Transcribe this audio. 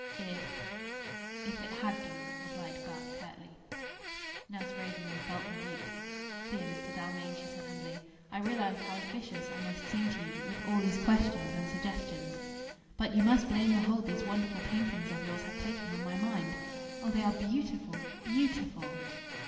"If ?" "If it HAD been," replied Garth, curtly. Nurse Rosemary felt rebuked. "Dear Mr. Dalmain," she said, humbly; "I realise how officious I must seem to you, with all these questions, and suggestions. But you must blame the hold these wonderful paintings of yours have taken on my mind. Oh, they are beautiful beautiful!"